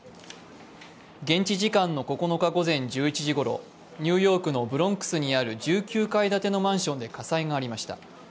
現地時間の９日午前１１時ごろニューヨークのブロンクスにある１９階建てのマンションで火災がありました。